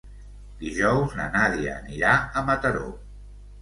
Dijous na Nàdia anirà a Mataró.